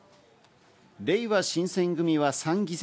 れいわ新選組は３議席。